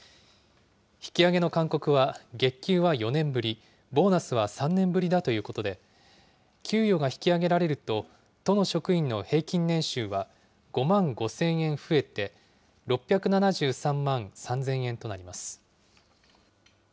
引き上げの勧告は月給は４年ぶり、ボーナスは３年ぶりだということで、給与が引き上げられると、都の職員の平均年収は５万５０００円増えて、６７３万３０００円となります。